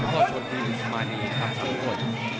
ก็ชวนพี่สุมารีทำทั้งหมด